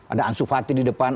ada ansu fati di depan